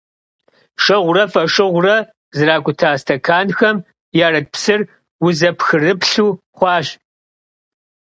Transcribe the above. Şşığure foşşığure zrak'uta stekanxem yarıt psır vuzepxrıplhu khenaş.